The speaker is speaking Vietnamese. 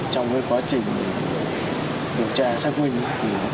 trong quá trình điều tra xã quỳnh